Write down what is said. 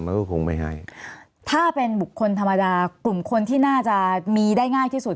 มันก็คงไม่ให้ถ้าเป็นบุคคลธรรมดากลุ่มคนที่น่าจะมีได้ง่ายที่สุด